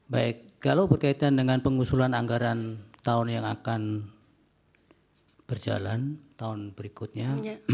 baik kalau berkaitan dengan pengusulan anggaran tahun yang akan berjalan tahun berikutnya